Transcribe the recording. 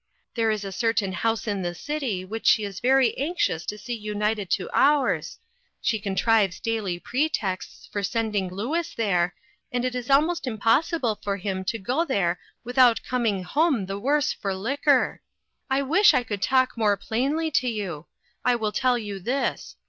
There is a certain house in the city which she is very anxious to see united to ours. She con trives daily pretexts for sending Louis there, and it is almost impossible for him to go NEW LINES OF WORK. 343 there without coming home the worse for liquor. I wish I could talk more plainly to you. I will tell you this.